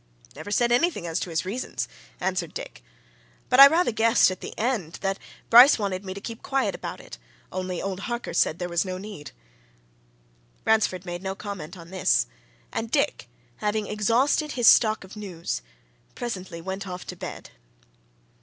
"Never said anything as to his reasons," answered Dick. "But, I rather guessed, at the end, that Bryce wanted me to keep quiet about it, only old Harker said there was no need." Ransford made no comment on this, and Dick, having exhausted his stock of news, presently went off to bed.